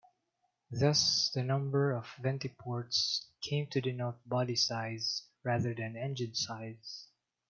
Thus the number of VentiPorts came to denote body size rather than engine size.